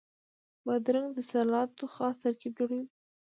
بادرنګ د سلاتو خاص ترکیب جوړوي.